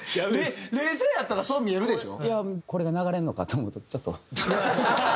冷静やったらそう見えるでしょ？